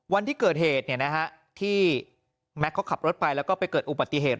วันที่เกิดเหตุที่แม็กซ์เขาขับรถไปแล้วก็ไปเกิดอุบัติเหตุ